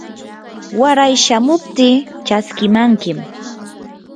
waray chamuptii chaskimankim.